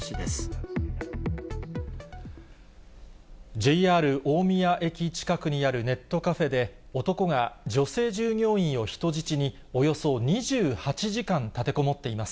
ＪＲ大宮駅近くにあるネットカフェで、男が女性従業員を人質に、およそ２８時間立てこもっています。